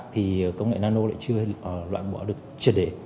thì công nghệ nano lại chưa loại bỏ được trịa đề